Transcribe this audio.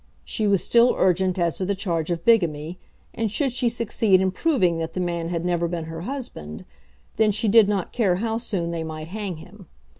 She was still urgent as to the charge of bigamy, and should she succeed in proving that the man had never been her husband, then she did not care how soon they might hang him.